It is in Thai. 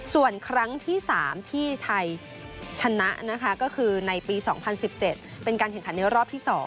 ส่วนครั้งที่๓ที่ไทยชนะนะคะก็คือในปี๒๐๑๗เป็นการแข่งขันในรอบที่๒